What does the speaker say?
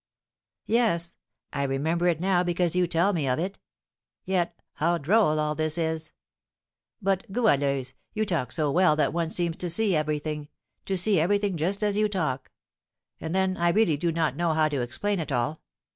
"Yes; I remember it now because you tell me of it. Yet, how droll all this is! But, Goualeuse, you talk so well that one seems to see everything, to see everything just as you talk; and then, I really do not know how to explain it all.